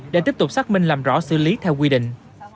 để tiếp tục xác minh làm rõ xử lý theo quy định